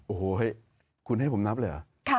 โอ้โฮเข้มภาพคุณให้ผมนับเหรอ